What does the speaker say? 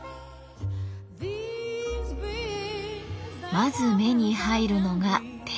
まず目に入るのが天井。